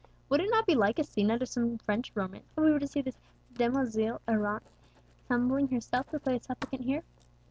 "Would it not be like a scene out of some French romance, if we were to see this demoiselle errante humbling herself to play the supplicant here!"